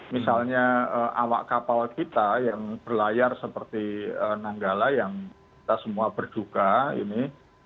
misalnya awak kapal kita yang berlayar seperti nanggala yang kita semua berduka ini